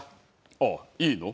ああいいの？